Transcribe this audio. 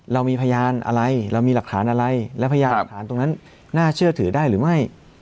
เรามีพยานอะไรเรามีหลักฐานอะไรและพยานหลักฐานตรงนั้นน่าเชื่อถือได้หรือไม่